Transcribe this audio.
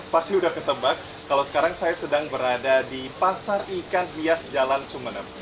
pasti sudah ketebak kalau sekarang saya sedang berada di pasar ikan hias jalan sumeneb